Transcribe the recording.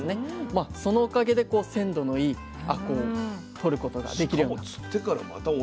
まあそのおかげで鮮度のいいあこうとることができるようになったと。